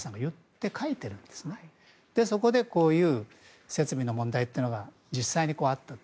そこで、こういう設備の問題が実際にあったと。